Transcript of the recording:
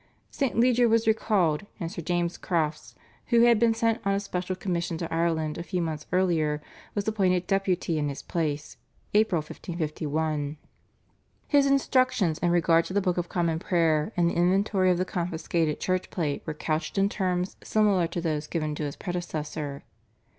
St. Leger was recalled, and Sir James Crofts, who had been sent on a special commission to Ireland a few months earlier, was appointed Deputy in his place (April 1551). His instructions in regard to the Book of Common Prayer and the inventory of the confiscated church plate were couched in terms similar to those given to his predecessor.